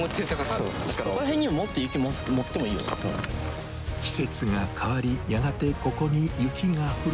ここら辺にもっと雪を盛って季節が変わり、やがてここに雪が降る。